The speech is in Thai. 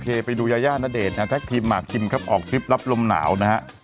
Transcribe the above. ไปดูยายาณเดชน์นะฮะแท็กทีมหมากคิมครับออกทริปรับลมหนาวนะฮะ